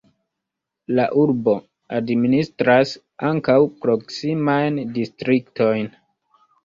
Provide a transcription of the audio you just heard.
La urbo administras ankaŭ proksimajn distriktojn.